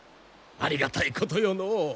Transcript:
ありがたいことよのう。